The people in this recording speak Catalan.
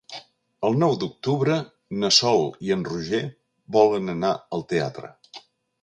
El nou d'octubre na Sol i en Roger volen anar al teatre.